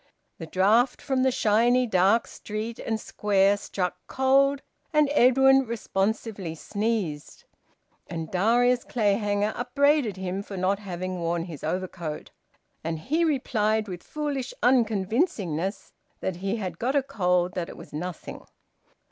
The draught from the shiny dark street and square struck cold, and Edwin responsively sneezed; and Darius Clayhanger upbraided him for not having worn his overcoat, and he replied with foolish unconvincingness that he had got a cold, that it was nothing.